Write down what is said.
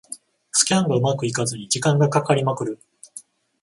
スキャンがうまくいかずに時間がかかりまくる